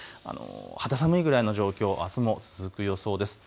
肌寒いぐらいの状況、あすも続く予想です。